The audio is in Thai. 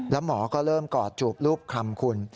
แล้วหมอก็เริ่มกอดจูบรูปคำคุณ